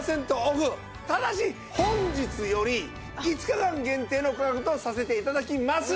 ただし本日より５日間限定の価格とさせて頂きます。